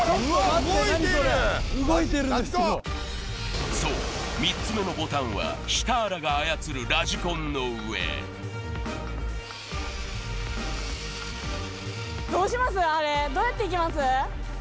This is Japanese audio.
動いてるんですけどそう３つ目のボタンはシターラが操るラジコンの上どうやって行きます？